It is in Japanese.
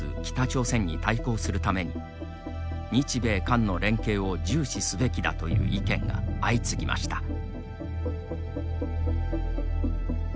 北朝鮮に対抗するために日米韓の連携を重視すべきだという意見が相次ぎました。